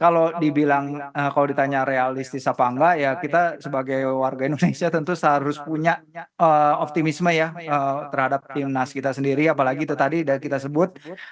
kalau dibilang kalau ditanya realistis apa enggak ya kita sebagai warga indonesia tentu harus punya optimisme ya terhadap timnas kita sendiri apalagi itu tadi kita sebut